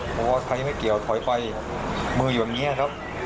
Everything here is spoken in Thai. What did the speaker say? บอกว่าใครไม่เกี่ยวถอยไปมืออยู่อย่างนี้ครับ